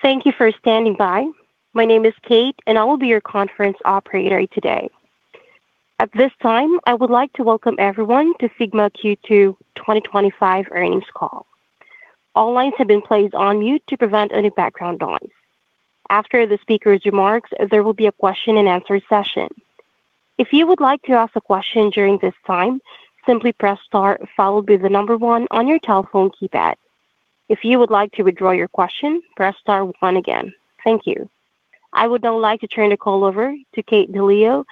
... Thank you for standing by. My name is Kate, and I will be your conference operator today. At this time, I would like to welcome everyone to Figma Q2 2025 Earnings Call. All lines have been placed on mute to prevent any background noise. After the speaker's remarks, there will be a question and answer session. If you would like to ask a question during this time, simply press star, followed by the number one on your telephone keypad. If you would like to withdraw your question, press star one again. Thank you. I would now like to turn the call over to Kate DeLeo,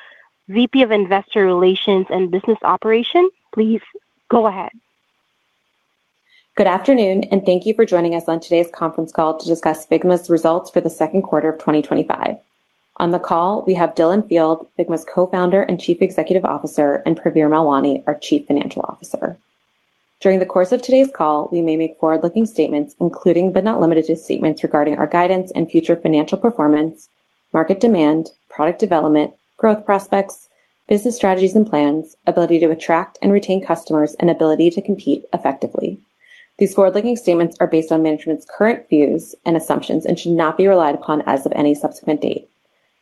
VP of Investor Relations and Business Operations. Please go ahead. Good afternoon, and thank you for joining us on today's conference call to discuss Figma's results for the second quarter of 2025. On the call, we have Dylan Field, Figma's Co-founder and Chief Executive Officer, and Praveer Melwani, our Chief Financial Officer. During the course of today's call, we may make forward-looking statements, including but not limited to statements regarding our guidance and future financial performance, market demand, product development, growth prospects, business strategies and plans, ability to attract and retain customers, and ability to compete effectively. These forward-looking statements are based on management's current views and assumptions and should not be relied upon as of any subsequent date,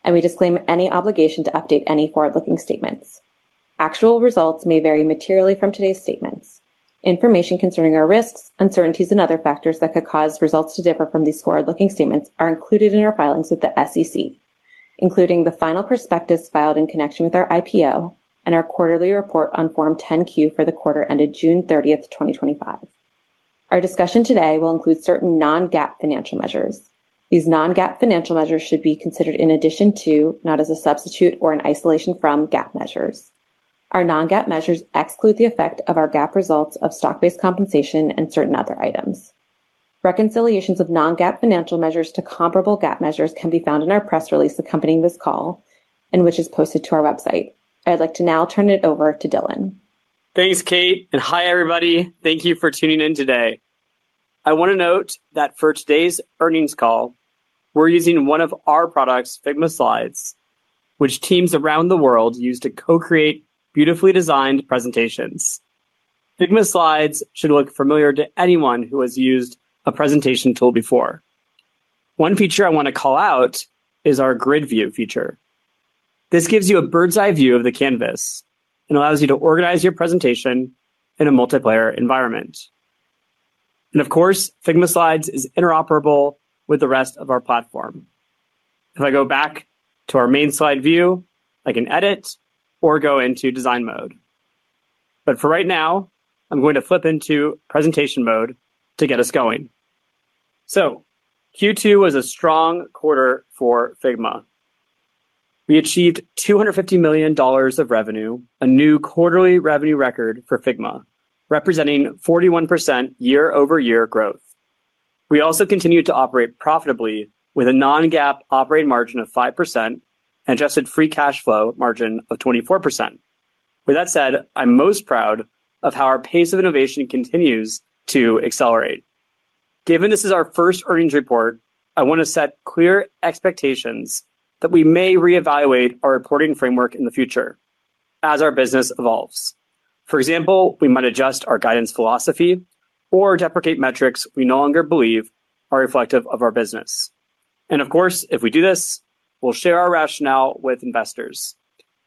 and we disclaim any obligation to update any forward-looking statements. Actual results may vary materially from today's statements. Information concerning our risks, uncertainties, and other factors that could cause results to differ from these forward-looking statements are included in our filings with the SEC, including the final prospectus filed in connection with our IPO and our quarterly report on Form 10-Q for the quarter ended June 30th, 2025. Our discussion today will include certain non-GAAP financial measures. These non-GAAP financial measures should be considered in addition to, not as a substitute or in isolation from, GAAP measures. Our non-GAAP measures exclude the effect of our GAAP results of stock-based compensation and certain other items. Reconciliations of non-GAAP financial measures to comparable GAAP measures can be found in our press release accompanying this call and which is posted to our website. I'd like to now turn it over to Dylan. Thanks, Kate, and hi, everybody. Thank you for tuning in today. I want to note that for today's earnings call, we're using one of our products, Figma Slides, which teams around the world use to co-create beautifully designed presentations. Figma Slides should look familiar to anyone who has used a presentation tool before. One feature I want to call out is our Grid View feature. This gives you a bird's-eye view of the canvas and allows you to organize your presentation in a multiplayer environment. And of course, Figma Slides is interoperable with the rest of our platform. If I go back to our main slide view, I can edit or go into Design Mode. But for right now, I'm going to flip into presentation mode to get us going, so Q2 was a strong quarter for Figma. We achieved $250 million of revenue, a new quarterly revenue record for Figma, representing 41% year-over-year growth. We also continued to operate profitably with a non-GAAP operating margin of 5% and adjusted free cash flow margin of 24%. With that said, I'm most proud of how our pace of innovation continues to accelerate. Given this is our first earnings report, I want to set clear expectations that we may reevaluate our reporting framework in the future as our business evolves. For example, we might adjust our guidance philosophy or deprecate metrics we no longer believe are reflective of our business, and of course, if we do this, we'll share our rationale with investors.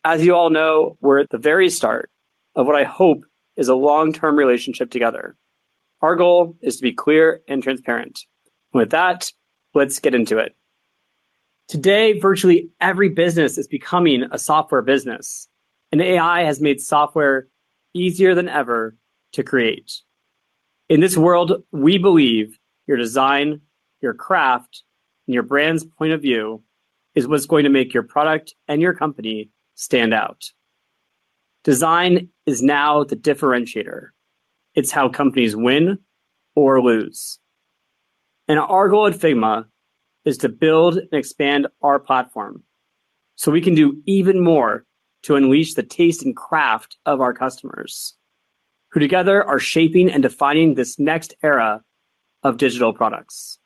As you all know, we're at the very start of what I hope is a long-term relationship together. Our goal is to be clear and transparent. With that, let's get into it. Today, virtually every business is becoming a software business, and AI has made software easier than ever to create. In this world, we believe your design, your craft, and your brand's point of view is what's going to make your product and your company stand out. Design is now the differentiator. It's how companies win or lose. And our goal at Figma is to build and expand our platform so we can do even more to unleash the taste and craft of our customers, who together are shaping and defining this next era of digital products.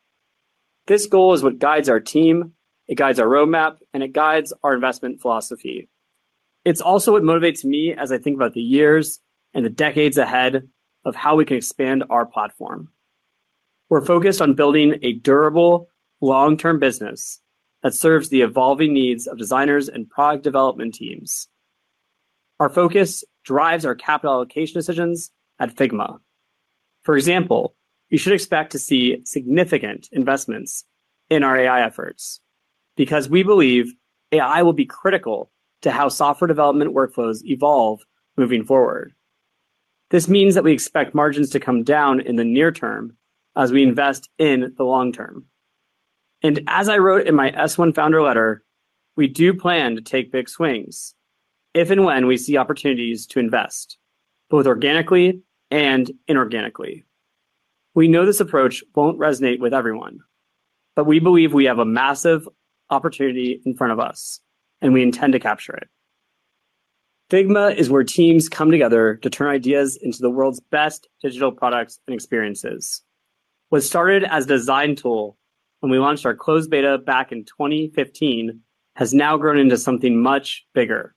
This goal is what guides our team, it guides our roadmap, and it guides our investment philosophy. It's also what motivates me as I think about the years and the decades ahead of how we can expand our platform. We're focused on building a durable, long-term business that serves the evolving needs of designers and product development teams. Our focus drives our capital allocation decisions at Figma. For example, you should expect to see significant investments in our AI efforts because we believe AI will be critical to how software development workflows evolve moving forward. This means that we expect margins to come down in the near term as we invest in the long term. As I wrote in my S-1 founder letter, we do plan to take big swings if and when we see opportunities to invest, both organically and inorganically. We know this approach won't resonate with everyone, but we believe we have a massive opportunity in front of us, and we intend to capture it. Figma is where teams come together to turn ideas into the world's best digital products and experiences. What started as a design tool when we launched our closed beta back in twenty fifteen has now grown into something much bigger.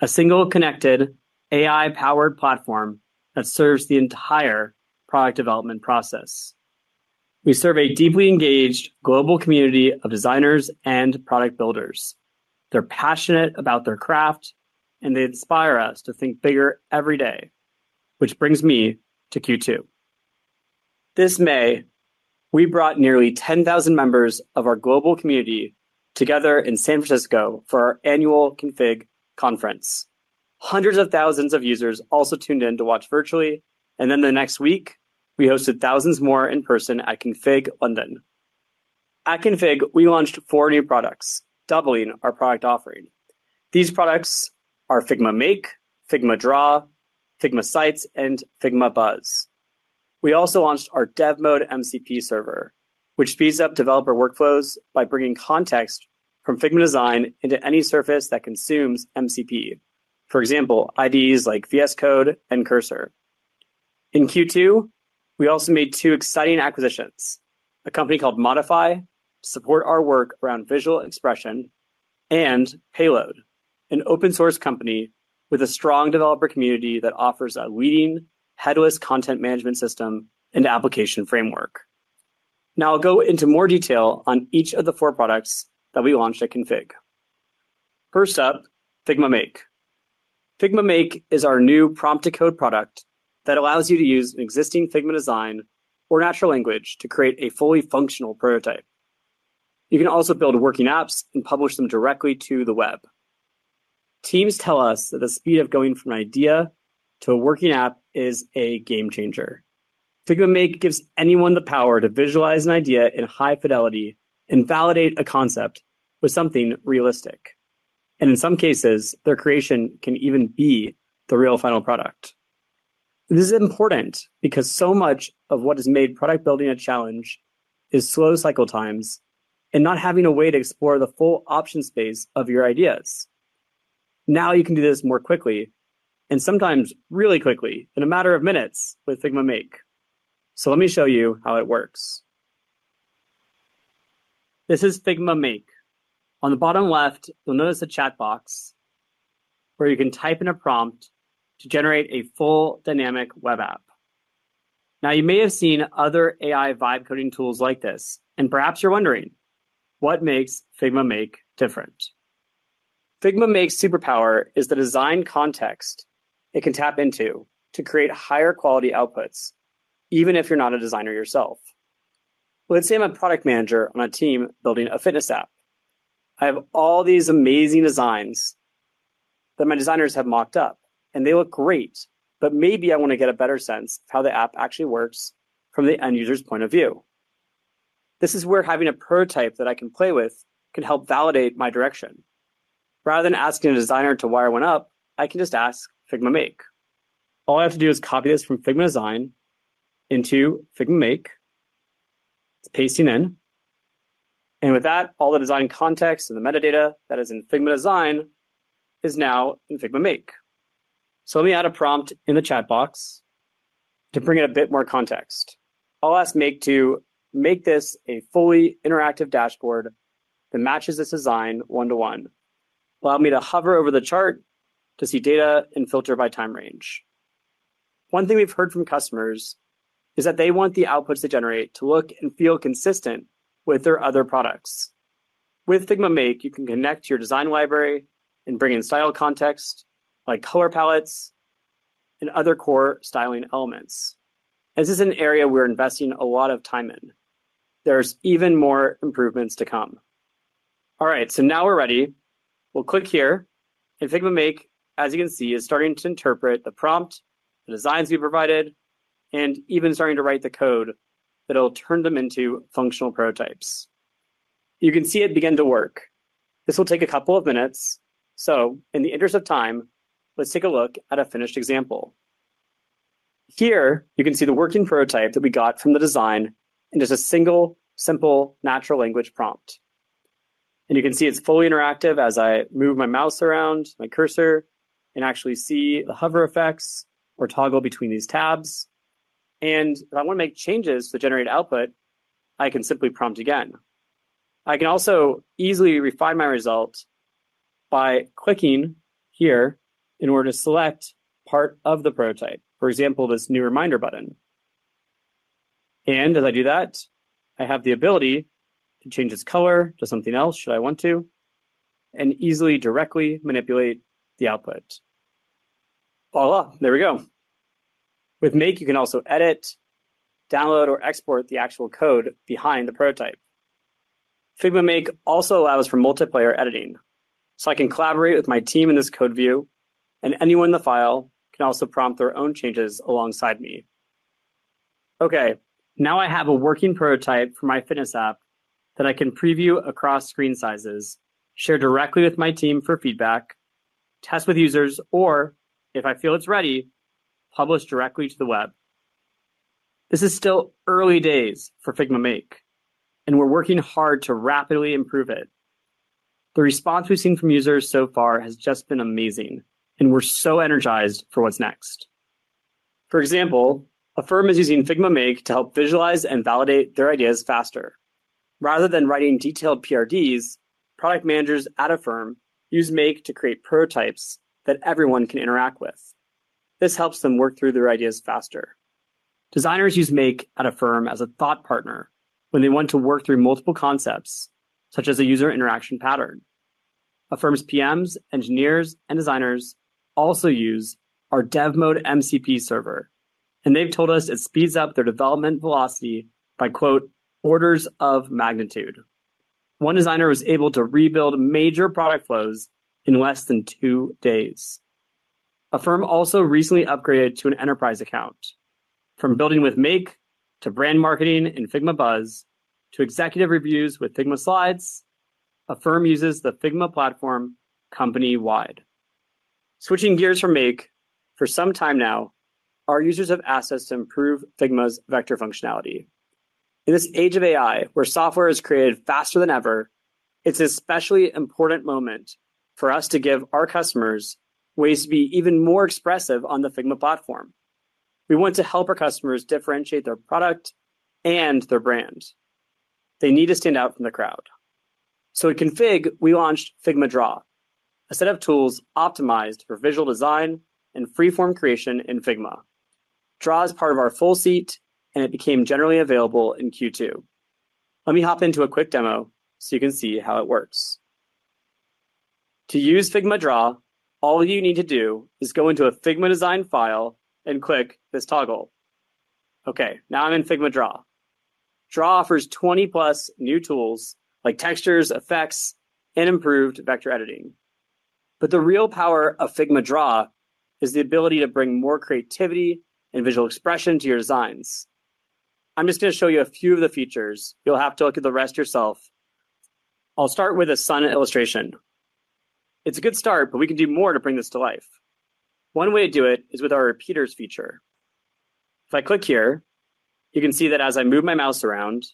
A single connected AI powered platform that serves the entire product development process. We serve a deeply engaged global community of designers and product builders. They're passionate about their craft, and they inspire us to think bigger every day. Which brings me to Q2. This May, we brought nearly 10,000 members of our global community together in San Francisco for our annual Config conference. Hundreds of thousands of users also tuned in to watch virtually, and then the next week, we hosted thousands more in person at Config London. At Config, we launched four new products, doubling our product offering. These products are Figma Make, Figma Draw, Figma Sites, and Figma Buzz. We also launched our Dev Mode MCP server, which speeds up developer workflows by bringing context from Figma design into any service that consumes MCP. For example, IDEs like VS Code and Cursor. In Q2, we also made two exciting acquisitions: a company called Modyfi, to support our work around visual expression, and Payload, an open source company with a strong developer community that offers a leading headless content management system and application framework. Now I'll go into more detail on each of the four products that we launched at Config. First up, Figma Make. Figma Make is our new prompt-to-code product that allows you to use an existing Figma design or natural language to create a fully functional prototype. You can also build working apps and publish them directly to the web. Teams tell us that the speed of going from an idea to a working app is a game changer. Figma Make gives anyone the power to visualize an idea in high fidelity and validate a concept with something realistic. And in some cases, their creation can even be the real final product. This is important because so much of what has made product building a challenge is slow cycle times and not having a way to explore the full option space of your ideas. Now you can do this more quickly and sometimes really quickly, in a matter of minutes, with Figma Make. So let me show you how it works. This is Figma Make. On the bottom left, you'll notice a chat box, where you can type in a prompt to generate a full dynamic web app. Now, you may have seen other AI vibe coding tools like this, and perhaps you're wondering, what makes Figma Make different? Figma Make's superpower is the design context it can tap into to create higher quality outputs, even if you're not a designer yourself. Let's say I'm a product manager on a team building a fitness app. I have all these amazing designs that my designers have mocked up, and they look great, but maybe I want to get a better sense of how the app actually works from the end user's point of view. This is where having a prototype that I can play with can help validate my direction. Rather than asking a designer to wire one up, I can just ask Figma Make. All I have to do is copy this from Figma Design into Figma Make. It's pasting in, and with that, all the design context and the metadata that is in Figma Design is now in Figma Make. So let me add a prompt in the chat box to bring in a bit more context. I'll ask Make to make this a fully interactive dashboard that matches this design one to one. Allow me to hover over the chart to see data and filter by time range. One thing we've heard from customers is that they want the outputs to generate to look and feel consistent with their other products. With Figma Make, you can connect to your design library and bring in style context, like color palettes and other core styling elements. This is an area we're investing a lot of time in. There's even more improvements to come. All right, so now we're ready. We'll click here, and Figma Make, as you can see, is starting to interpret the prompt, the designs we provided, and even starting to write the code that will turn them into functional prototypes. You can see it begin to work. This will take a couple of minutes, so in the interest of time, let's take a look at a finished example. Here, you can see the working prototype that we got from the design in just a single, simple, natural language prompt. And you can see it's fully interactive as I move my mouse around, my cursor, and actually see the hover effects or toggle between these tabs. And if I want to make changes to generate output, I can simply prompt again. I can also easily refine my result by clicking here in order to select part of the prototype. For example, this new reminder button. As I do that, I have the ability to change its color to something else, should I want to, and easily, directly manipulate the output. Voila! There we go. With Make, you can also edit, download, or export the actual code behind the prototype. Figma Make also allows for multiplayer editing, so I can collaborate with my team in this code view, and anyone in the file can also prompt their own changes alongside me. Okay, now I have a working prototype for my fitness app that I can preview across screen sizes, share directly with my team for feedback, test with users, or if I feel it's ready, publish directly to the web. This is still early days for Figma Make, and we're working hard to rapidly improve it. The response we've seen from users so far has just been amazing, and we're so energized for what's next. For example, Affirm is using Figma Make to help visualize and validate their ideas faster. Rather than writing detailed PRDs, product managers at Affirm use Make to create prototypes that everyone can interact with. This helps them work through their ideas faster. Designers use Make at Affirm as a thought partner when they want to work through multiple concepts, such as a user interaction pattern. Affirm's PMs, engineers, and designers also use our Dev Mode MCP server, and they've told us it speeds up their development velocity by, quote, "orders of magnitude." One designer was able to rebuild major product flows in less than two days. Affirm also recently upgraded to an enterprise account. From building with Make, to brand marketing in Figma Buzz, to executive reviews with Figma Slides, Affirm uses the Figma platform company-wide. Switching gears from Make, for some time now, our users have asked us to improve Figma's vector functionality. In this age of AI, where software is created faster than ever, it's an especially important moment for us to give our customers ways to be even more expressive on the Figma platform. We want to help our customers differentiate their product and their brand. They need to stand out from the crowd. So at Config, we launched Figma Draw, a set of tools optimized for visual design and freeform creation in Figma. Draw is part of our full seat, and it became generally available in Q2. Let me hop into a quick demo so you can see how it works. To use Figma Draw, all you need to do is go into a Figma design file and click this toggle. Okay, now I'm in Figma Draw. Draw offers 20+ new tools like textures, effects, and improved vector editing. But the real power of Figma Draw is the ability to bring more creativity and visual expression to your designs. I'm just gonna show you a few of the features. You'll have to look at the rest yourself. I'll start with a sun illustration. It's a good start, but we can do more to bring this to life. One way to do it is with our repeaters feature. If I click here, you can see that as I move my mouse around,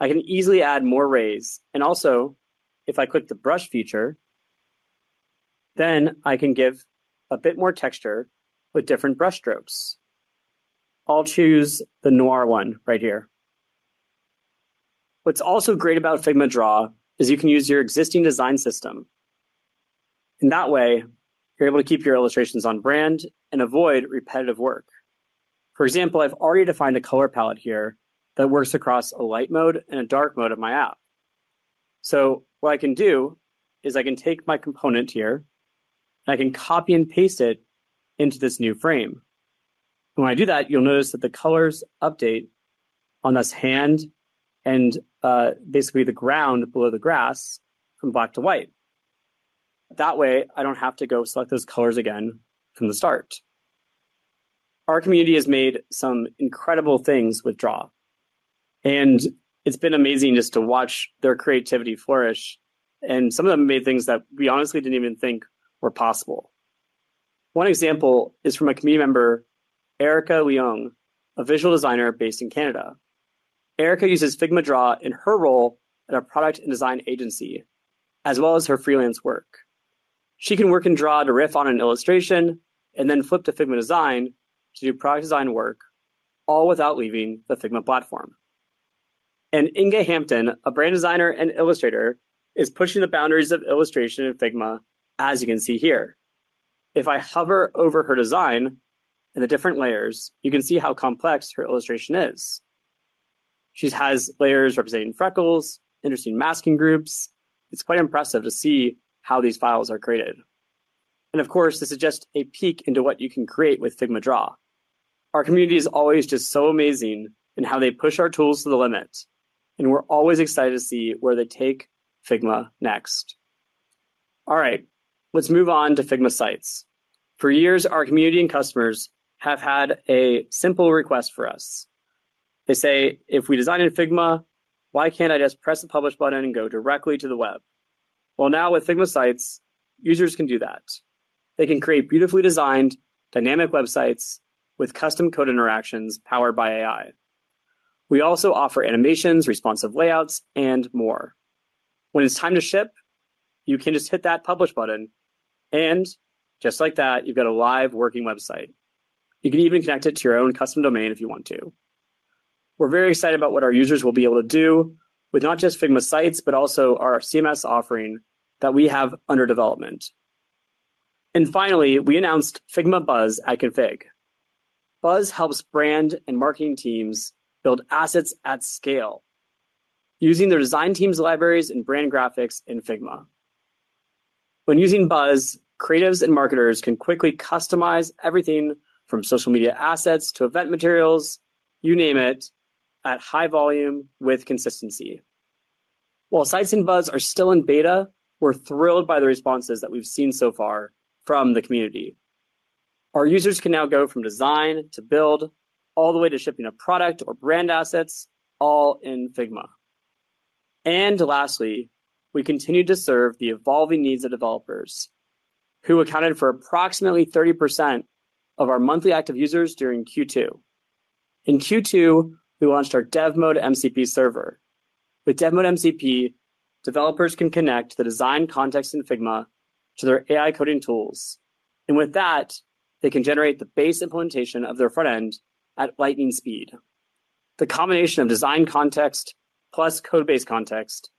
I can easily add more rays, and also, if I click the brush feature, then I can give a bit more texture with different brush strokes. I'll choose the noir one right here. What's also great about Figma Draw is you can use your existing design system. In that way, you're able to keep your illustrations on brand and avoid repetitive work. For example, I've already defined a color palette here that works across a light mode and a dark mode of my app. So what I can do is I can take my component here, and I can copy and paste it into this new frame. When I do that, you'll notice that the colors update on this hand and basically the ground below the grass from black to white. That way, I don't have to go select those colors again from the start. Our community has made some incredible things with Draw, and it's been amazing just to watch their creativity flourish, and some of them have made things that we honestly didn't even think were possible. One example is from a community member, Erica Leung, a visual designer based in Canada. Erica uses Figma Draw in her role at a product and design agency, as well as her freelance work. She can work in Draw to riff on an illustration and then flip to Figma Design to do product design work, all without leaving the Figma platform. Inge Hampton, a brand designer and illustrator, is pushing the boundaries of illustration in Figma, as you can see here. If I hover over her design in the different layers, you can see how complex her illustration is. She has layers representing freckles, interesting masking groups. It's quite impressive to see how these files are created. Of course, this is just a peek into what you can create with Figma Draw. Our community is always just so amazing in how they push our tools to the limit, and we're always excited to see where they take Figma next. All right, let's move on to Figma Sites. For years, our community and customers have had a simple request for us. They say: "If we design in Figma, why can't I just press the publish button and go directly to the web?" Well, now with Figma Sites, users can do that. They can create beautifully designed, dynamic websites with custom code interactions powered by AI. We also offer animations, responsive layouts, and more. When it's time to ship, you can just hit that publish button, and just like that, you've got a live, working website. You can even connect it to your own custom domain if you want to. We're very excited about what our users will be able to do with not just Figma Sites, but also our CMS offering that we have under development. And finally, we announced Figma Buzz at Config. Buzz helps brand and marketing teams build assets at scale using their design teams' libraries and brand graphics in Figma. When using Buzz, creatives and marketers can quickly customize everything from social media assets to event materials, you name it, at high volume with consistency. While Sites and Buzz are still in beta, we're thrilled by the responses that we've seen so far from the community. Our users can now go from design to build, all the way to shipping a product or brand assets, all in Figma. And lastly, we continue to serve the evolving needs of developers, who accounted for approximately 30% of our monthly active users during Q2. In Q2, we launched our Dev Mode MCP server. With Dev Mode MCP, developers can connect the design context in Figma to their AI coding tools, and with that, they can generate the base implementation of their front end at lightning speed. The combination of design context plus code base context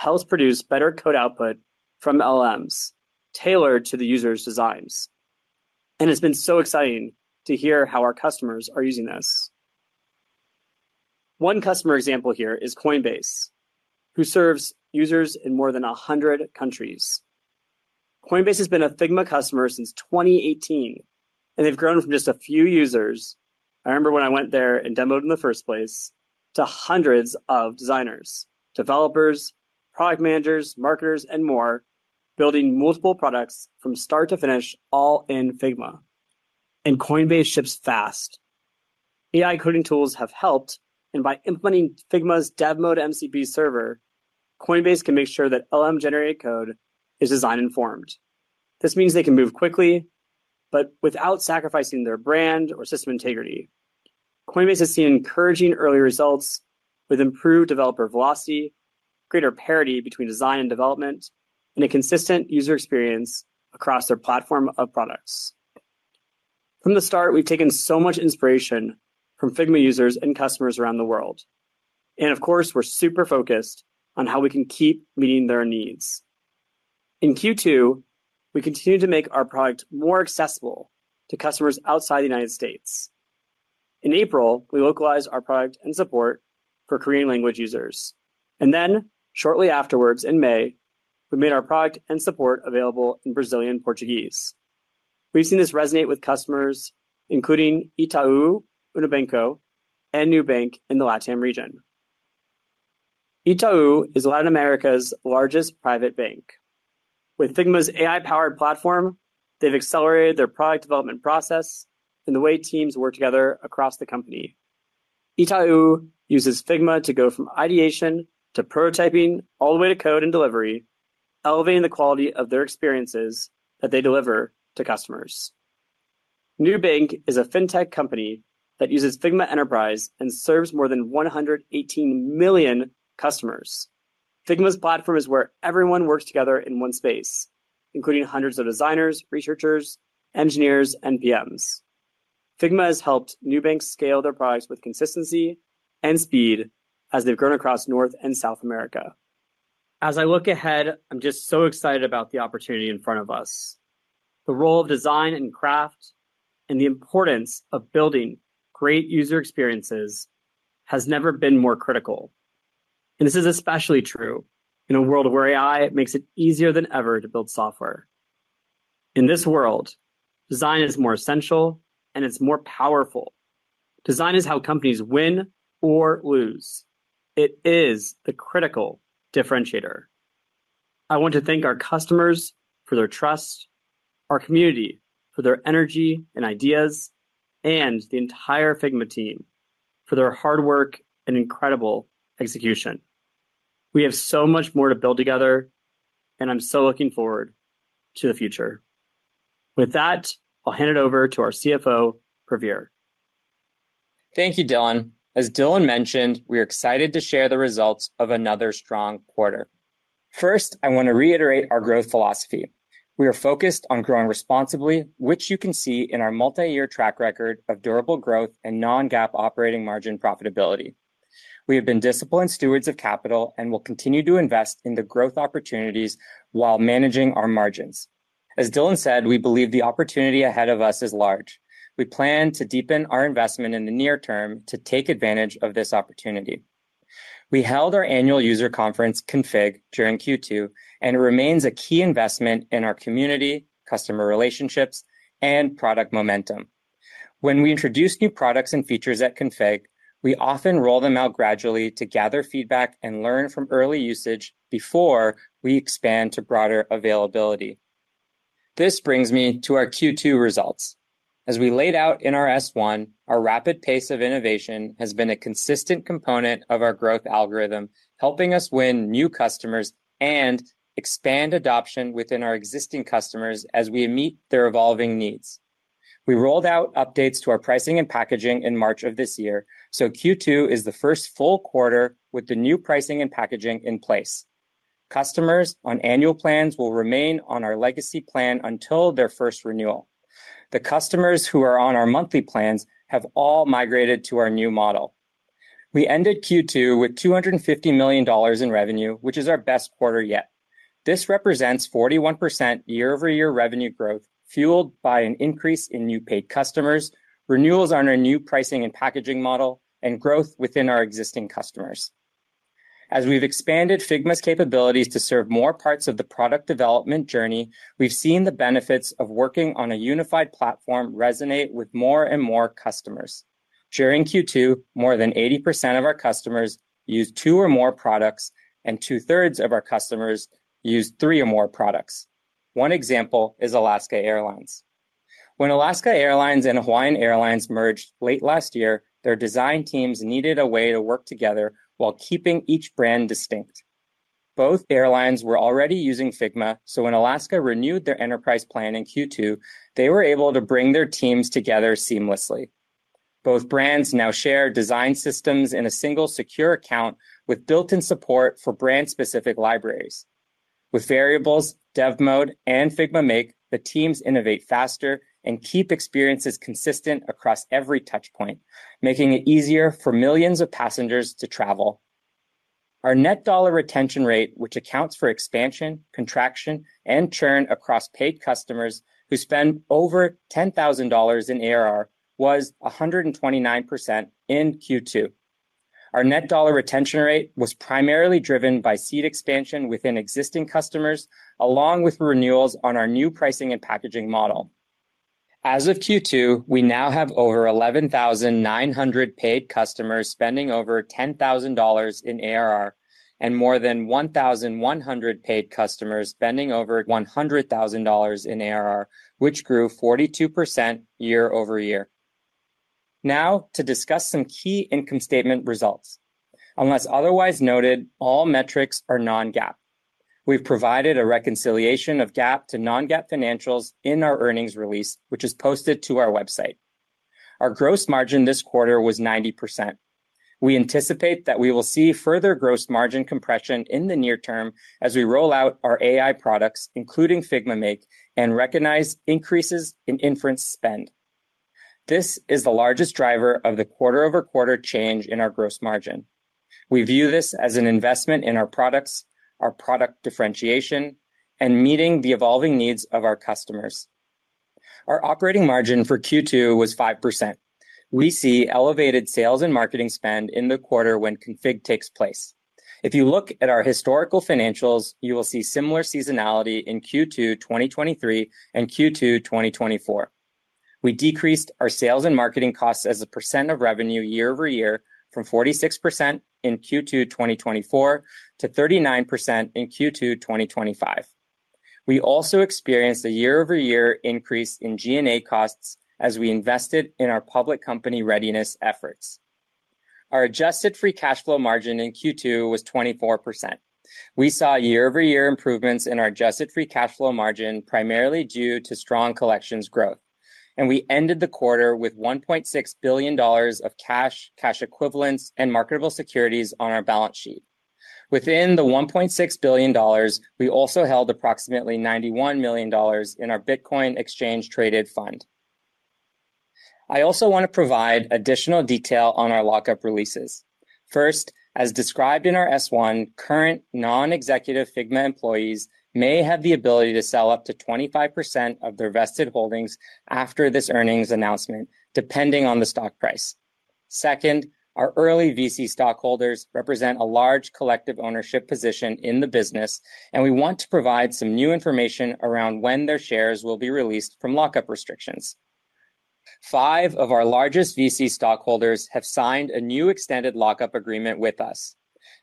helps produce better code output from LLMs tailored to the user's designs, and it's been so exciting to hear how our customers are using this. One customer example here is Coinbase, who serves users in more than a hundred countries. Coinbase has been a Figma customer since 2018, and they've grown from just a few users, I remember when I went there and demoed in the first place, to hundreds of designers, developers, product managers, marketers, and more, building multiple products from start to finish, all in Figma, and Coinbase ships fast. AI coding tools have helped, and by implementing Figma's Dev Mode MCP server, Coinbase can make sure that LM-generated code is design-informed. This means they can move quickly, but without sacrificing their brand or system integrity. Coinbase has seen encouraging early results with improved developer velocity, greater parity between design and development, and a consistent user experience across their platform of products. From the start, we've taken so much inspiration from Figma users and customers around the world, and of course, we're super focused on how we can keep meeting their needs. In Q2, we continued to make our product more accessible to customers outside the United States. In April, we localized our product and support for Korean language users, and then shortly afterwards in May, we made our product and support available in Brazilian Portuguese. We've seen this resonate with customers, including Itaú Unibanco and Nubank in the LatAm region. Itaú is Latin America's largest private bank. With Figma's AI-powered platform, they've accelerated their product development process and the way teams work together across the company. Itaú uses Figma to go from ideation to prototyping, all the way to code and delivery, elevating the quality of their experiences that they deliver to customers. Nubank is a fintech company that uses Figma Enterprise and serves more than 118 million customers. Figma's platform is where everyone works together in one space, including hundreds of designers, researchers, engineers, and PMs. Figma has helped Nubank scale their products with consistency and speed as they've grown across North and South America. As I look ahead, I'm just so excited about the opportunity in front of us. The role of design and craft and the importance of building great user experiences has never been more critical, and this is especially true in a world where AI makes it easier than ever to build software. In this world, design is more essential and it's more powerful. Design is how companies win or lose. It is the critical differentiator. I want to thank our customers for their trust, our community for their energy and ideas, and the entire Figma team for their hard work and incredible execution. We have so much more to build together, and I'm so looking forward to the future. With that, I'll hand it over to our CFO, Praveer. Thank you, Dylan. As Dylan mentioned, we are excited to share the results of another strong quarter. First, I want to reiterate our growth philosophy. We are focused on growing responsibly, which you can see in our multi-year track record of durable growth and non-GAAP operating margin profitability. We have been disciplined stewards of capital and will continue to invest in the growth opportunities while managing our margins. As Dylan said, we believe the opportunity ahead of us is large. We plan to deepen our investment in the near term to take advantage of this opportunity. We held our annual user conference, Config, during Q2, and it remains a key investment in our community, customer relationships, and product momentum. When we introduce new products and features at Config, we often roll them out gradually to gather feedback and learn from early usage before we expand to broader availability. This brings me to our Q2 results. As we laid out in our S-1, our rapid pace of innovation has been a consistent component of our growth algorithm, helping us win new customers and expand adoption within our existing customers as we meet their evolving needs. We rolled out updates to our pricing and packaging in March of this year, so Q2 is the first full quarter with the new pricing and packaging in place. Customers on annual plans will remain on our legacy plan until their first renewal. The customers who are on our monthly plans have all migrated to our new model. We ended Q2 with $250 million in revenue, which is our best quarter yet. This represents 41% year-over-year revenue growth, fueled by an increase in new paid customers, renewals on our new pricing and packaging model, and growth within our existing customers. As we've expanded Figma's capabilities to serve more parts of the product development journey, we've seen the benefits of working on a unified platform resonate with more and more customers. During Q2, more than 80% of our customers used two or more products, and 2/3 of our customers used three or more products. One example is Alaska Airlines. When Alaska Airlines and Hawaiian Airlines merged late last year, their design teams needed a way to work together while keeping each brand distinct. Both airlines were already using Figma, so when Alaska renewed their enterprise plan in Q2, they were able to bring their teams together seamlessly. Both brands now share design systems in a single secure account with built-in support for brand-specific libraries. With variables, Dev Mode, and Figma Make, the teams innovate faster and keep experiences consistent across every touch point, making it easier for millions of passengers to travel. Our net dollar retention rate, which accounts for expansion, contraction, and churn across paid customers who spend over $10,000 in ARR, was 129% in Q2. Our net dollar retention rate was primarily driven by seat expansion within existing customers, along with renewals on our new pricing and packaging model. As of Q2, we now have over 11,900 paid customers spending over $10,000 in ARR and more than 1,100 paid customers spending over $100,000 in ARR, which grew 42% year-over-year. Now to discuss some key income statement results. Unless otherwise noted, all metrics are non-GAAP. We've provided a reconciliation of GAAP to non-GAAP financials in our earnings release, which is posted to our website. Our gross margin this quarter was 90%. We anticipate that we will see further gross margin compression in the near term as we roll out our AI products, including Figma Make, and recognize increases in inference spend. This is the largest driver of the quarter-over-quarter change in our gross margin. We view this as an investment in our products, our product differentiation, and meeting the evolving needs of our customers. Our operating margin for Q2 was 5%. We see elevated sales and marketing spend in the quarter when Config takes place. If you look at our historical financials, you will see similar seasonality in Q2, 2023 and Q2, 2024. We decreased our sales and marketing costs as a percent of revenue year-over-year from 46% in Q2 2024 to 39% in Q2 2025. We also experienced a year-over-year increase in G&A costs as we invested in our public company readiness efforts. Our adjusted free cash flow margin in Q2 was 24%. We saw year-over-year improvements in our adjusted free cash flow margin, primarily due to strong collections growth, and we ended the quarter with $1.6 billion of cash, cash equivalents, and marketable securities on our balance sheet. Within the $1.6 billion, we also held approximately $91 million in our Bitcoin exchange-traded fund. I also want to provide additional detail on our lockup releases. First, as described in our S-1, current non-executive Figma employees may have the ability to sell up to 25% of their vested holdings after this earnings announcement, depending on the stock price. Second, our early VC stockholders represent a large collective ownership position in the business, and we want to provide some new information around when their shares will be released from lockup restrictions. Five of our largest VC stockholders have signed a new extended lockup agreement with us.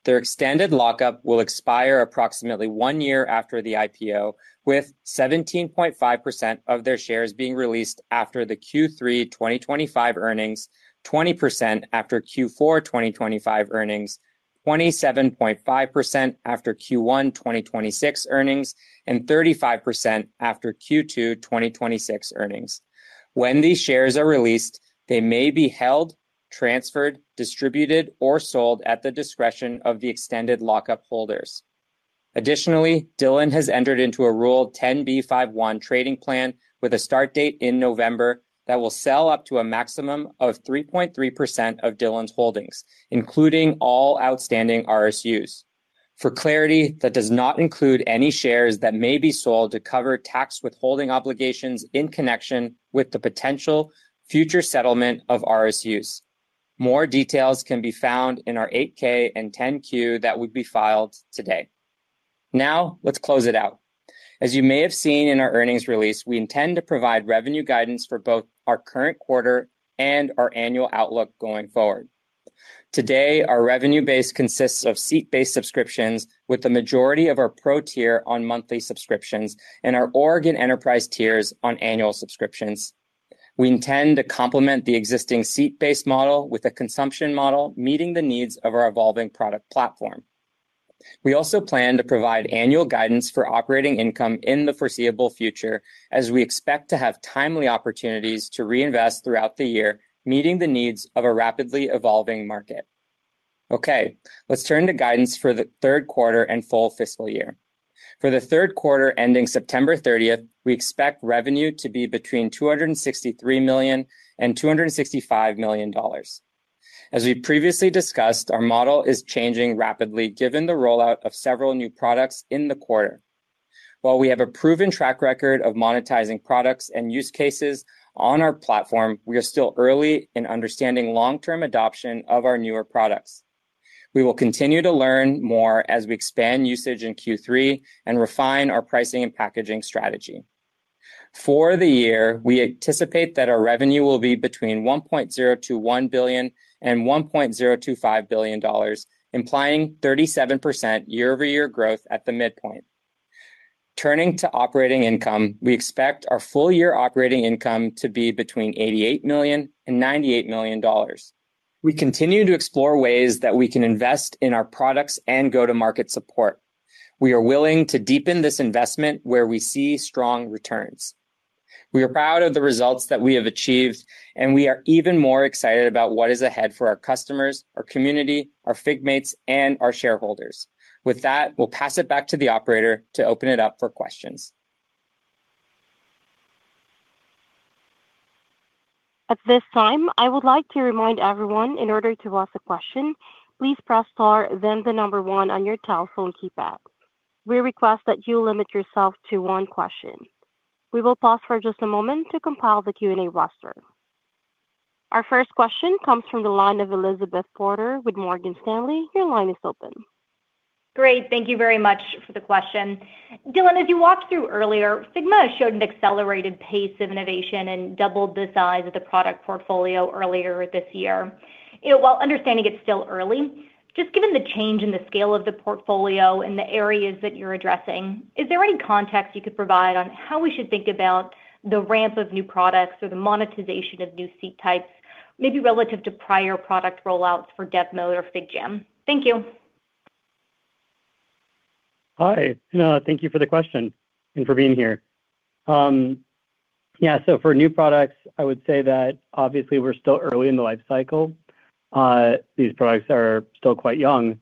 Their extended lockup will expire approximately one year after the IPO, with 17.5% of their shares being released after the Q3 2025 earnings, 20% after Q4 2025 earnings, 27.5% after Q1 2026 earnings, and 35% after Q2 2026 earnings. When these shares are released, they may be held, transferred, distributed, or sold at the discretion of the extended lockup holders. Additionally, Dylan has entered into a Rule 10b5-1 trading plan with a start date in November that will sell up to a maximum of 3.3% of Dylan's holdings, including all outstanding RSUs. For clarity, that does not include any shares that may be sold to cover tax withholding obligations in connection with the potential future settlement of RSUs. More details can be found in our 8-K and 10-Q that would be filed today. Now, let's close it out. As you may have seen in our earnings release, we intend to provide revenue guidance for both our current quarter and our annual outlook going forward. Today, our revenue base consists of seat-based subscriptions, with the majority of our Pro tier on monthly subscriptions and our Org and Enterprise tiers on annual subscriptions. We intend to complement the existing seat-based model with a consumption model, meeting the needs of our evolving product platform. We also plan to provide annual guidance for operating income in the foreseeable future, as we expect to have timely opportunities to reinvest throughout the year, meeting the needs of a rapidly evolving market. Okay, let's turn to guidance for the third quarter and full fiscal year. For the third quarter, ending September 30th, we expect revenue to be between $263 million and $265 million. As we previously discussed, our model is changing rapidly given the rollout of several new products in the quarter. While we have a proven track record of monetizing products and use cases on our platform, we are still early in understanding long-term adoption of our newer products. We will continue to learn more as we expand usage in Q3 and refine our pricing and packaging strategy. For the year, we anticipate that our revenue will be between $1.021 billion and $1.025 billion, implying 37% year-over-year growth at the midpoint.... Turning to operating income, we expect our full-year operating income to be between $88 million and $98 million. We continue to explore ways that we can invest in our products and go-to-market support. We are willing to deepen this investment where we see strong returns. We are proud of the results that we have achieved, and we are even more excited about what is ahead for our customers, our community, our Figmates, and our shareholders. With that, we'll pass it back to the operator to open it up for questions. At this time, I would like to remind everyone, in order to ask a question, please press star, then the number one on your telephone keypad. We request that you limit yourself to one question. We will pause for just a moment to compile the Q&A roster. Our first question comes from the line of Elizabeth Porter with Morgan Stanley. Your line is open. Great. Thank you very much for the question. Dylan, as you walked through earlier, Figma showed an accelerated pace of innovation and doubled the size of the product portfolio earlier this year. You know, while understanding it's still early, just given the change in the scale of the portfolio and the areas that you're addressing, is there any context you could provide on how we should think about the ramp of new products or the monetization of new seat types, maybe relative to prior product rollouts for Dev Mode or FigJam? Thank you. Hi, no, thank you for the question and for being here. Yeah, so for new products, I would say that obviously we're still early in the life cycle. These products are still quite young,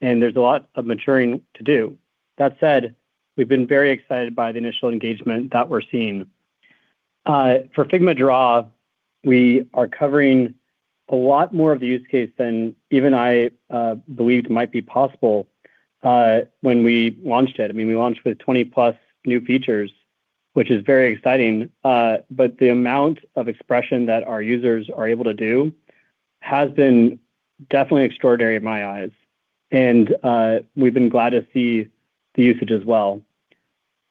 and there's a lot of maturing to do. That said, we've been very excited by the initial engagement that we're seeing. For Figma Draw, we are covering a lot more of the use case than even I believed might be possible when we launched it. I mean, we launched with twenty-plus new features, which is very exciting. But the amount of expression that our users are able to do has been definitely extraordinary in my eyes, and we've been glad to see the usage as well.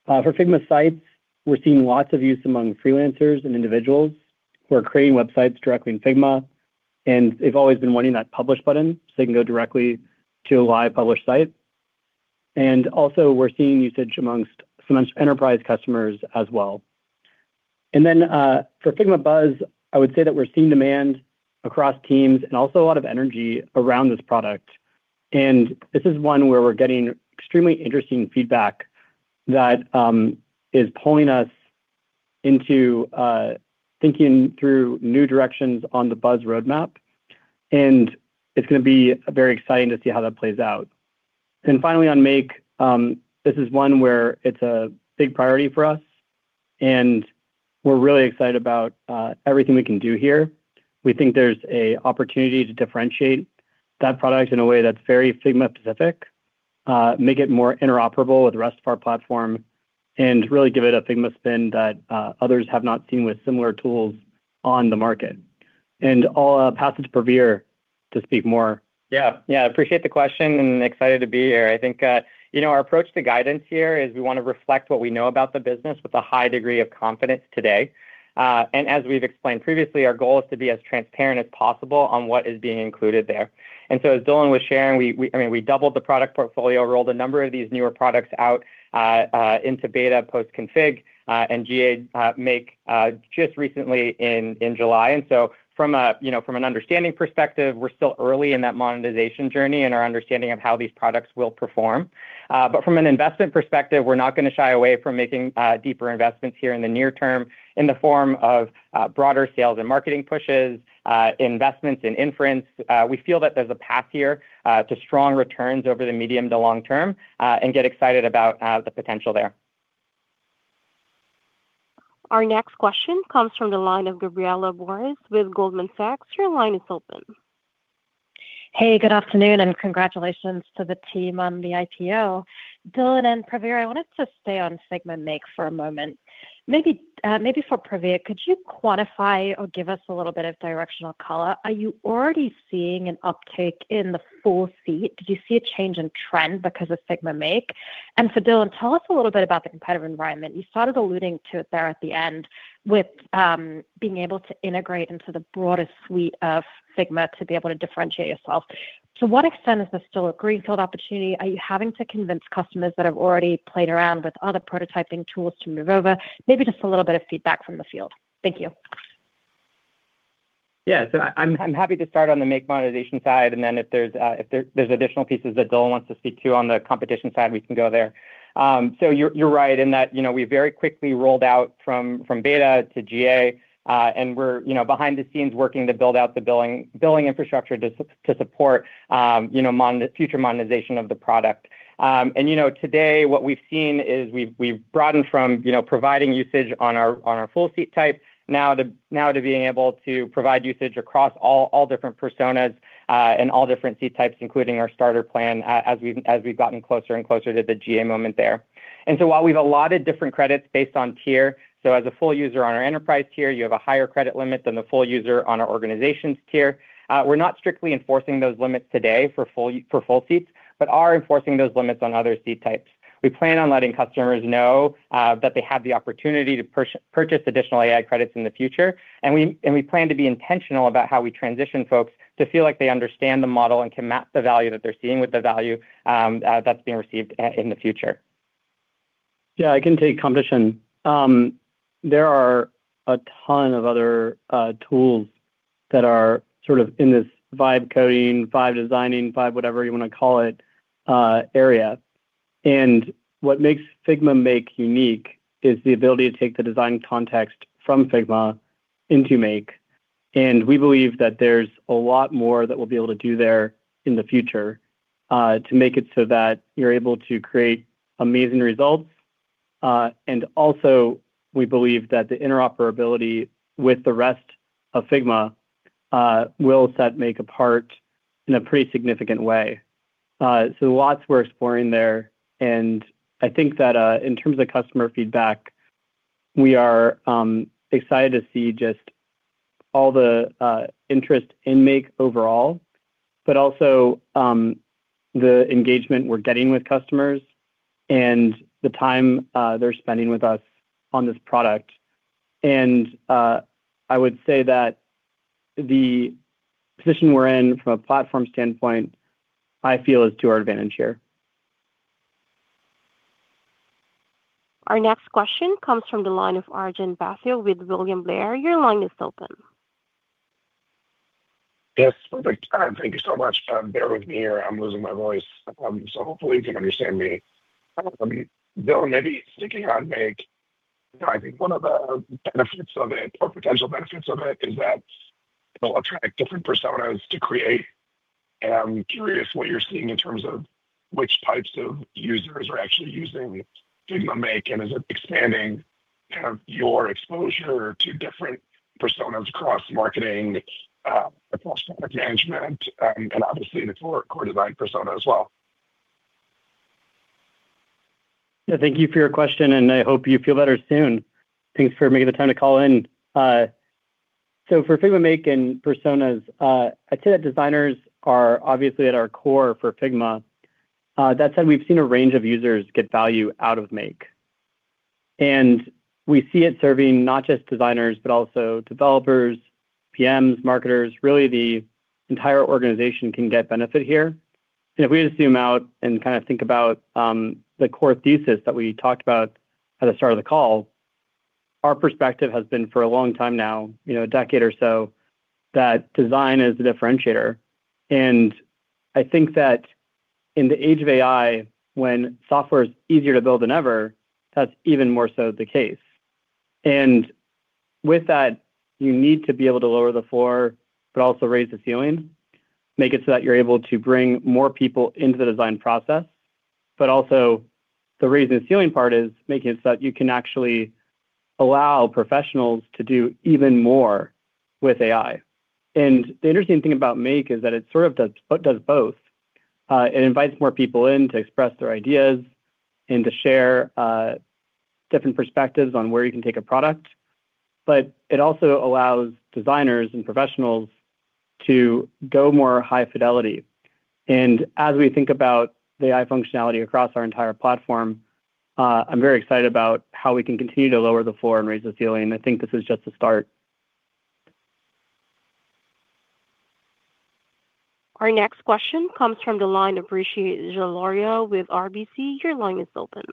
For Figma Sites, we're seeing lots of use among freelancers and individuals who are creating websites directly in Figma, and they've always been wanting that publish button, so they can go directly to a live publish site, and also we're seeing usage amongst enterprise customers as well. Then for Figma Buzz, I would say that we're seeing demand across teams and also a lot of energy around this product, and this is one where we're getting extremely interesting feedback that is pulling us into thinking through new directions on the Buzz roadmap, and it's gonna be very exciting to see how that plays out. Finally, on Make, this is one where it's a big priority for us, and we're really excited about everything we can do here. We think there's a opportunity to differentiate that product in a way that's very Figma specific, make it more interoperable with the rest of our platform, and really give it a Figma spin that others have not seen with similar tools on the market, and I'll pass it to Praveer to speak more. Yeah. Yeah, appreciate the question, and excited to be here. I think, you know, our approach to guidance here is we want to reflect what we know about the business with a high degree of confidence today. And as we've explained previously, our goal is to be as transparent as possible on what is being included there. And so, as Dylan was sharing, we, I mean, we doubled the product portfolio, rolled a number of these newer products out, into beta post Config, and GA, Make, just recently in July. And so, you know, from an understanding perspective, we're still early in that monetization journey and our understanding of how these products will perform. But from an investment perspective, we're not gonna shy away from making deeper investments here in the near term in the form of broader sales and marketing pushes, investments in inference. We feel that there's a path here to strong returns over the medium to long term, and get excited about the potential there. Our next question comes from the line of Gabriela Borges with Goldman Sachs. Your line is open. Hey, good afternoon, and congratulations to the team on the IPO. Dylan and Praveer, I wanted to stay on Figma Make for a moment. Maybe, maybe for Praveer, could you quantify or give us a little bit of directional color? Are you already seeing an uptake in the full seat? Do you see a change in trend because of Figma Make? And for Dylan, tell us a little bit about the competitive environment. You started alluding to it there at the end with, being able to integrate into the broader suite of Figma to be able to differentiate yourself. To what extent is this still a greenfield opportunity? Are you having to convince customers that have already played around with other prototyping tools to move over? Maybe just a little bit of feedback from the field. Thank you. Yeah, so I'm happy to start on the Make monetization side, and then if there's additional pieces that Dylan wants to speak to on the competition side, we can go there. So you're right in that, you know, we very quickly rolled out from beta to GA, and we're, you know, behind the scenes working to build out the billing infrastructure to support the future monetization of the product. And you know, today what we've seen is we've broadened from providing usage on our full seat type, now to being able to provide usage across all different personas, and all different seat types, including our starter plan, as we've gotten closer and closer to the GA moment there. And so while we've allotted different credits based on tier, so as a full user on our enterprise tier, you have a higher credit limit than the full user on our organizations tier. We're not strictly enforcing those limits today for full seats, but are enforcing those limits on other seat types. We plan on letting customers know that they have the opportunity to purchase additional AI credits in the future, and we plan to be intentional about how we transition folks to feel like they understand the model and can map the value that they're seeing with the value that's being received in the future.... Yeah, I can take competition. There are a ton of other tools that are sort of in this vibe, coding vibe, designing vibe, whatever you wanna call it, area. And what makes Figma Make unique is the ability to take the design context from Figma into Make, and we believe that there's a lot more that we'll be able to do there in the future, to make it so that you're able to create amazing results. And also we believe that the interoperability with the rest of Figma will set Make apart in a pretty significant way. So, lots we're exploring there, and I think that in terms of customer feedback, we are excited to see just all the interest in Make overall, but also the engagement we're getting with customers and the time they're spending with us on this product. And I would say that the position we're in from a platform standpoint, I feel is to our advantage here. Our next question comes from the line of Arjun Bhatia with William Blair. Your line is open. Yes, perfect. Thank you so much. Bear with me here. I'm losing my voice, so hopefully you can understand me. Dylan, maybe sticking on Make, I think one of the benefits of it or potential benefits of it is that it'll attract different personas to create. And I'm curious what you're seeing in terms of which types of users are actually using Figma Make, and is it expanding kind of your exposure to different personas across marketing, across product management, and obviously the core design persona as well? Yeah, thank you for your question, and I hope you feel better soon. Thanks for making the time to call in. So for Figma Make and personas, I'd say that designers are obviously at our core for Figma. That said, we've seen a range of users get value out of Make. And we see it serving not just designers, but also developers, PMs, marketers. Really, the entire organization can get benefit here. And if we just zoom out and kind of think about the core thesis that we talked about at the start of the call, our perspective has been, for a long time now, you know, a decade or so, that design is the differentiator. And I think that in the age of AI, when software is easier to build than ever, that's even more so the case. And with that, you need to be able to lower the floor, but also raise the ceiling, make it so that you're able to bring more people into the design process. But also, the raising the ceiling part is making it so that you can actually allow professionals to do even more with AI. And the interesting thing about Make is that it sort of does both. It invites more people in to express their ideas and to share different perspectives on where you can take a product, but it also allows designers and professionals to go more high fidelity. And as we think about the AI functionality across our entire platform, I'm very excited about how we can continue to lower the floor and raise the ceiling. I think this is just the start. Our next question comes from the line of Rishi Jaluria with RBC. Your line is open.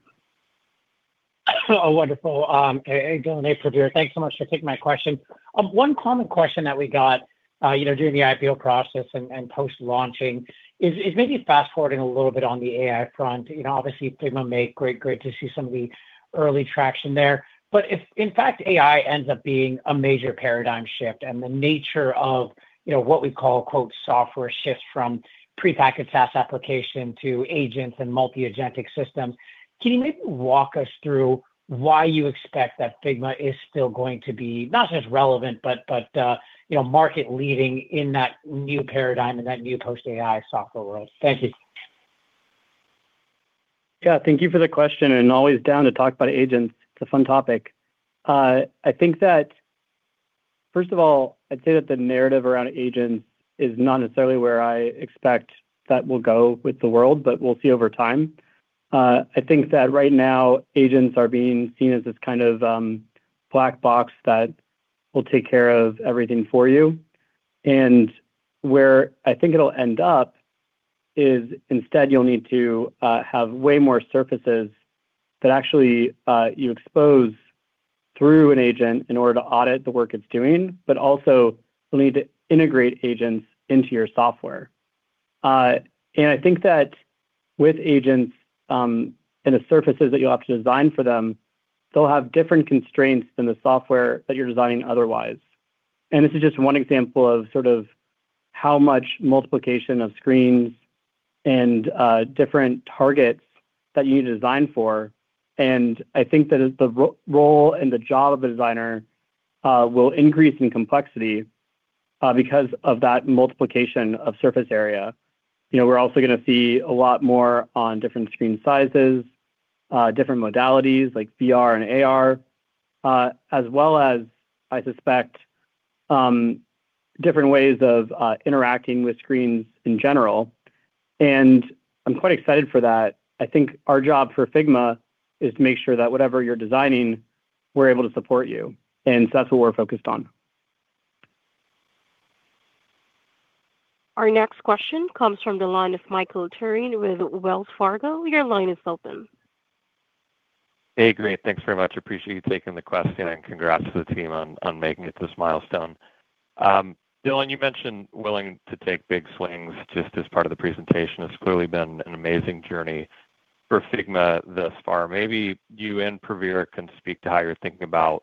Oh, wonderful. Hey, Dylan, hey, Praveer. Thanks so much for taking my question. One common question that we got, you know, during the IPO process and post-launching is maybe fast-forwarding a little bit on the AI front. You know, obviously, Figma Make, great, great to see some of the early traction there. But if, in fact, AI ends up being a major paradigm shift and the nature of, you know, what we call, quote, "software" shifts from prepackaged SaaS application to agents and multi-agentic systems, can you maybe walk us through why you expect that Figma is still going to be not just relevant, but, you know, market-leading in that new paradigm, in that new post-AI software world? Thank you. Yeah, thank you for the question, and always down to talk about agents. It's a fun topic. I think that, first of all, I'd say that the narrative around agents is not necessarily where I expect that will go with the world, but we'll see over time. I think that right now, agents are being seen as this kind of black box that will take care of everything for you. And where I think it'll end up is instead, you'll need to have way more surfaces that actually you expose through an agent in order to audit the work it's doing, but also you'll need to integrate agents into your software. And I think that with agents and the surfaces that you'll have to design for them, they'll have different constraints than the software that you're designing otherwise. This is just one example of sort of how much multiplication of screens and different targets that you need to design for. I think that is the role and the job of a designer will increase in complexity because of that multiplication of surface area. You know, we're also gonna see a lot more on different screen sizes different modalities like VR and AR as well as, I suspect, different ways of interacting with screens in general, and I'm quite excited for that. I think our job for Figma is to make sure that whatever you're designing, we're able to support you, and so that's what we're focused on. ... Our next question comes from the line of Michael Turrin with Wells Fargo. Your line is open. Hey, great. Thanks very much. Appreciate you taking the question, and congrats to the team on making it this milestone. Dylan, you mentioned willing to take big swings just as part of the presentation. It's clearly been an amazing journey for Figma thus far. Maybe you and Praveer can speak to how you're thinking about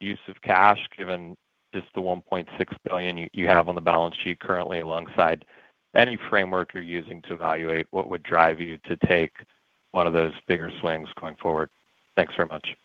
use of cash, given just the $1.6 billion you have on the balance sheet currently, alongside any framework you're using to evaluate what would drive you to take one of those bigger swings going forward. Thanks very much.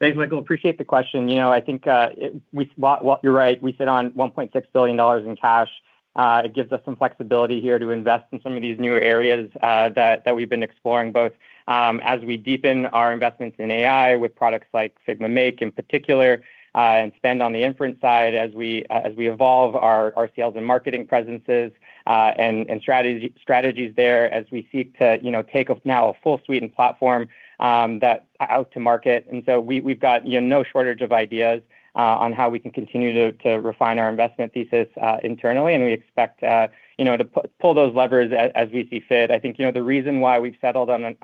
Thanks, Michael, appreciate the question. You know, I think, well, you're right, we sit on $1.6 billion in cash. It gives us some flexibility here to invest in some of these newer areas, that we've been exploring, both, as we deepen our investments in AI with products like Figma Make, in particular, and spend on the inference side as we, as we evolve our sales and marketing presences, and strategies there, as we seek to, you know, take up now a full suite and platform, that out to market. And so we, we've got, you know, no shortage of ideas, on how we can continue to refine our investment thesis, internally, and we expect, you know, to pull those levers as we see fit. I think, you know, the reason why we've settled on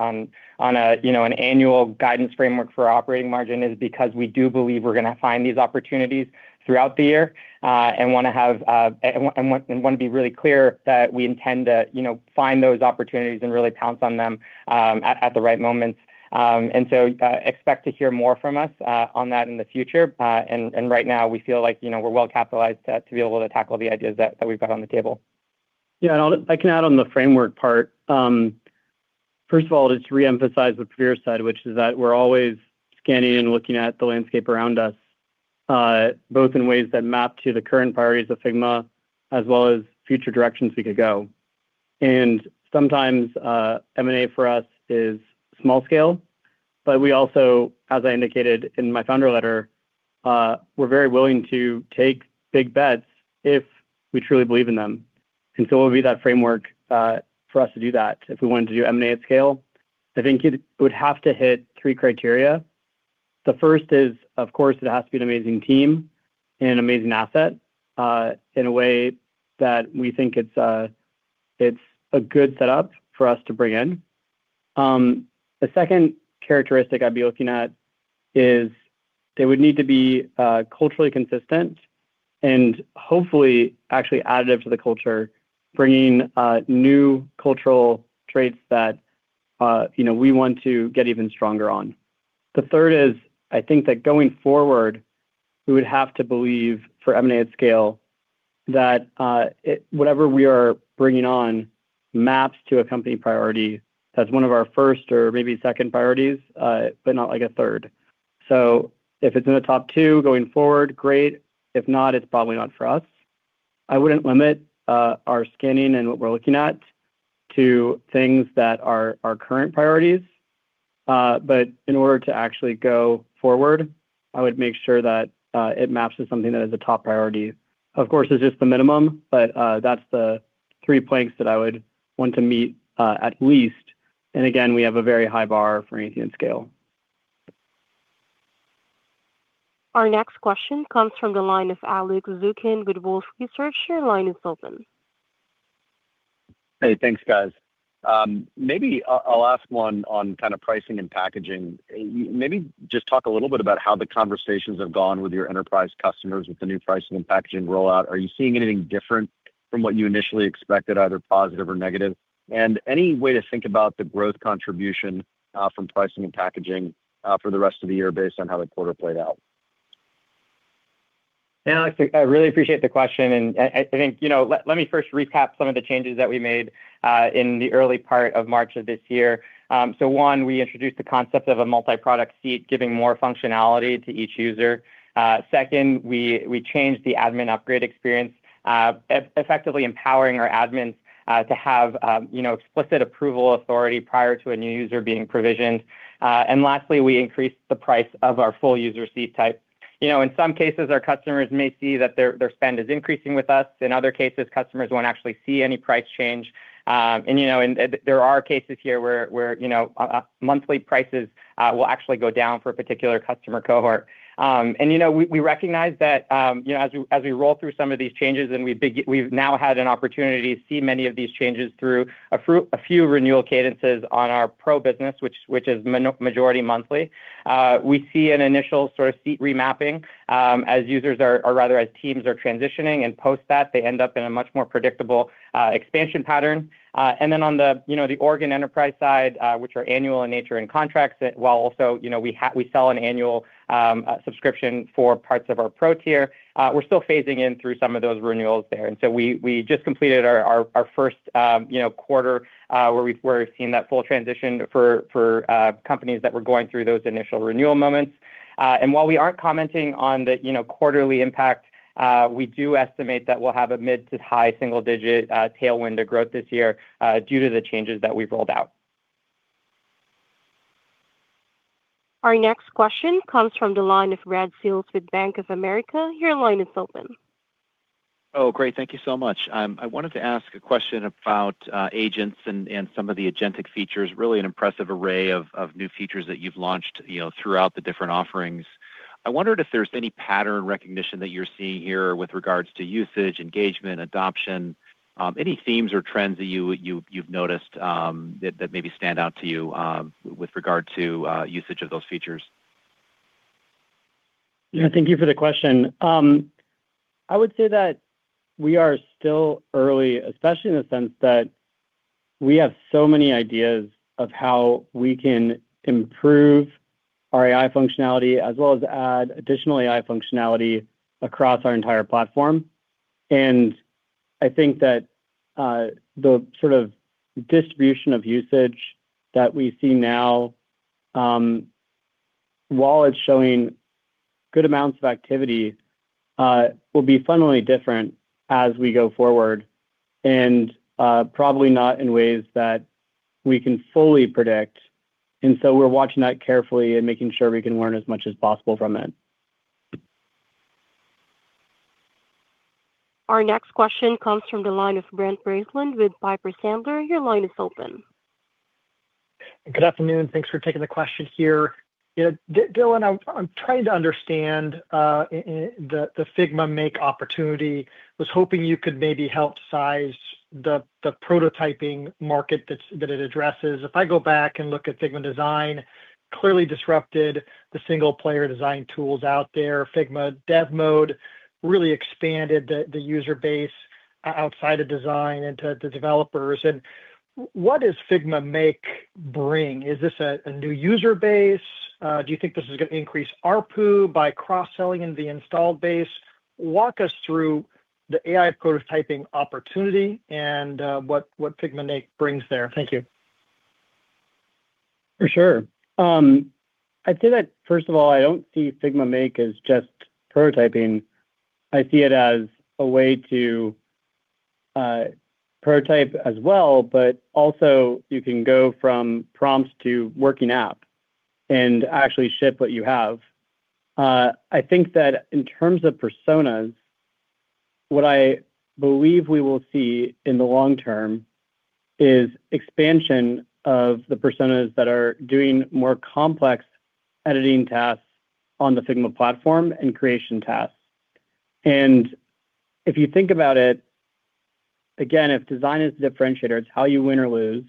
a, you know, an annual guidance framework for operating margin is because we do believe we're gonna find these opportunities throughout the year and wanna be really clear that we intend to, you know, find those opportunities and really pounce on them at the right moments. Expect to hear more from us on that in the future. Right now we feel like, you know, we're well-capitalized to be able to tackle the ideas that we've got on the table. Yeah, and I can add on the framework part. First of all, just to re-emphasize the Praveer side, which is that we're always scanning and looking at the landscape around us, both in ways that map to the current priorities of Figma as well as future directions we could go. And sometimes, M&A for us is small scale, but we also, as I indicated in my founder letter, we're very willing to take big bets if we truly believe in them. And so what would be that framework for us to do that if we wanted to do M&A at scale? I think it would have to hit three criteria. The first is, of course, it has to be an amazing team and an amazing asset, in a way that we think it's a good setup for us to bring in. The second characteristic I'd be looking at is they would need to be culturally consistent and hopefully actually additive to the culture, bringing new cultural traits that you know we want to get even stronger on. The third is, I think that going forward, we would have to believe, for M&A at scale, that it, whatever we are bringing on, maps to a company priority. That's one of our first or maybe second priorities, but not like a third. So if it's in the top two going forward, great. If not, it's probably not for us. I wouldn't limit our scanning and what we're looking at to things that are our current priorities, but in order to actually go forward, I would make sure that it maps to something that is a top priority. Of course, it's just the minimum, but that's the three planks that I would want to meet, at least, and again, we have a very high bar for anything at scale. Our next question comes from the line of Alex Zukin with Wolfe Research. Your line is open. Hey, thanks, guys. Maybe I'll ask one on kind of pricing and packaging. Maybe just talk a little bit about how the conversations have gone with your enterprise customers with the new pricing and packaging rollout. Are you seeing anything different from what you initially expected, either positive or negative? And any way to think about the growth contribution from pricing and packaging for the rest of the year based on how the quarter played out. Yeah, Alex, I really appreciate the question, and I think, you know, let me first recap some of the changes that we made in the early part of March of this year. So one, we introduced the concept of a multi-product seat, giving more functionality to each user. Second, we changed the admin upgrade experience, effectively empowering our admins to have, you know, explicit approval authority prior to a new user being provisioned, and lastly, we increased the price of our full user seat type. You know, in some cases, our customers may see that their spend is increasing with us. In other cases, customers won't actually see any price change, and, you know, there are cases here where, you know, monthly prices will actually go down for a particular customer cohort. And, you know, we recognize that, you know, as we roll through some of these changes, and we've now had an opportunity to see many of these changes through a few renewal cadences on our Pro business, which is majority monthly. We see an initial sort of seat remapping, as users are, or rather, as teams are transitioning, and post that, they end up in a much more predictable expansion pattern. And then on the, you know, the Org and Enterprise side, which are annual in nature and contracts, while also, you know, we sell an annual subscription for parts of our Pro tier, we're still phasing in through some of those renewals there. And so we just completed our first, you know, quarter where we've seen that full transition for companies that were going through those initial renewal moments. And while we aren't commenting on the, you know, quarterly impact, we do estimate that we'll have a mid- to high-single-digit tailwind to growth this year due to the changes that we've rolled out. Our next question comes from the line of Brad Sills with Bank of America. Your line is open.... Oh, great. Thank you so much. I wanted to ask a question about agents and some of the agentic features. Really an impressive array of new features that you've launched, you know, throughout the different offerings. I wondered if there's any pattern recognition that you're seeing here with regards to usage, engagement, adoption, any themes or trends that you've noticed, that maybe stand out to you, with regard to usage of those features? Yeah, thank you for the question. I would say that we are still early, especially in the sense that we have so many ideas of how we can improve our AI functionality, as well as add additional AI functionality across our entire platform. And I think that, the sort of distribution of usage that we see now, while it's showing good amounts of activity, will be fundamentally different as we go forward, and, probably not in ways that we can fully predict. And so we're watching that carefully and making sure we can learn as much as possible from it. Our next question comes from the line of Brent Bracelin with Piper Sandler. Your line is open. Good afternoon. Thanks for taking the question here. You know, Dylan, I'm trying to understand the Figma Make opportunity. Was hoping you could maybe help size the prototyping market that it addresses. If I go back and look at Figma Design, clearly disrupted the single-player design tools out there. Figma Dev Mode really expanded the user base outside of design into the developers. And what does Figma Make bring? Is this a new user base? Do you think this is gonna increase ARPU by cross-selling in the installed base? Walk us through the AI prototyping opportunity and what Figma Make brings there. Thank you. For sure. I'd say that, first of all, I don't see Figma Make as just prototyping. I see it as a way to prototype as well, but also you can go from prompts to working app and actually ship what you have. I think that in terms of personas, what I believe we will see in the long term is expansion of the personas that are doing more complex editing tasks on the Figma platform and creation tasks. And if you think about it, again, if design is the differentiator, it's how you win or lose,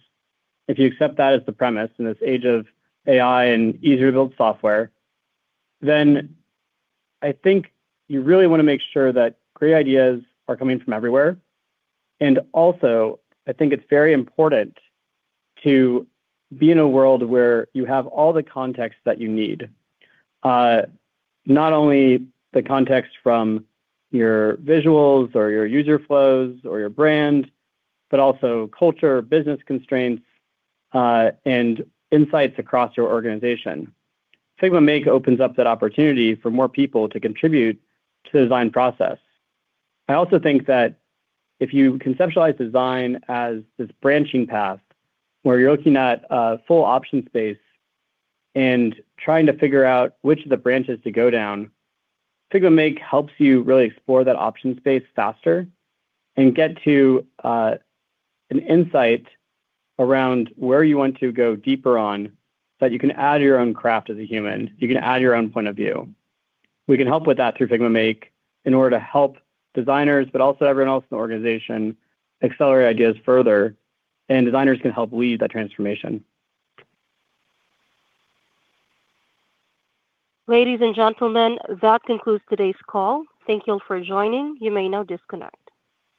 if you accept that as the premise in this age of AI and easy-to-build software, then I think you really wanna make sure that great ideas are coming from everywhere. And also, I think it's very important to be in a world where you have all the context that you need. Not only the context from your visuals or your user flows or your brand, but also culture, business constraints, and insights across your organization. Figma Make opens up that opportunity for more people to contribute to the design process. I also think that if you conceptualize design as this branching path, where you're looking at a full option space and trying to figure out which of the branches to go down, Figma Make helps you really explore that option space faster and get to an insight around where you want to go deeper on, that you can add your own craft as a human, you can add your own point of view. We can help with that through Figma Make in order to help designers, but also everyone else in the organization, accelerate ideas further, and designers can help lead that transformation. Ladies and gentlemen, that concludes today's call. Thank you all for joining. You may now disconnect.